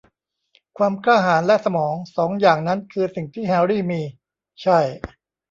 ความกล้าหาญและสมอง สองอย่างนั้นคือสิ่งที่แฮรี่มี -ใช่